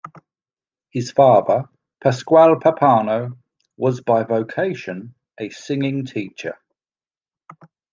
His father, Pasquale Pappano, was by vocation a singing teacher.